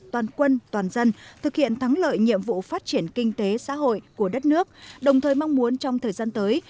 toàn quân toàn dân thực hiện thắng lợi nhiệm vụ phát triển kinh tế xã hội của đất nước đồng thời mong muốn trong thời gian tới